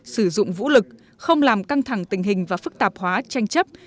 sử dụng vũ lực không làm căng thẳng tình hình và phức tạp hóa tranh chấp